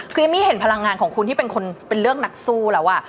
คือเอมมี่เห็นพลังงานของคุณที่เป็นคนเป็นเรื่องนักสู้แล้ว